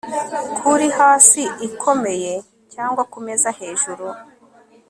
kuri hasi ikomeye, cyangwa kumeza-hejuru